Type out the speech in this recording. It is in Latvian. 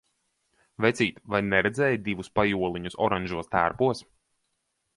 Vecīt, vai neredzēji divus pajoliņus oranžos tērpos?